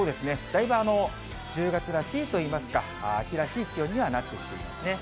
だいぶ１０月らしいといいますか、秋らしい気温にはなってきていますね。